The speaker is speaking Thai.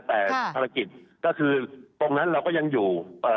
แต่ภารกิจตรงนั้นก็ยังอยู่